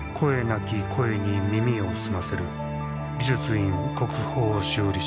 なき声に耳を澄ませる美術院国宝修理所。